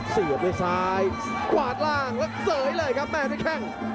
เสียบด้วยซ้ายกวาดล่างแล้วเสยเลยครับแม่ด้วยแข้ง